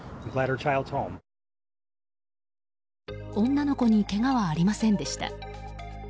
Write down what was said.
女の子にけがはありませんでした。